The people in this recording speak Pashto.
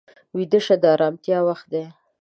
ویده شپه د ارامتیا وخت وي